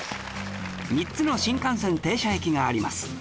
３つの新幹線停車駅があります